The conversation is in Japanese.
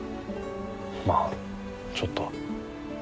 まあちょっとは。